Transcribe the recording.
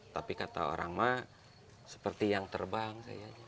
tapi kata orang mah seperti yang terbang